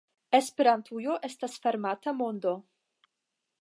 Esperantujo estas fermata mondo.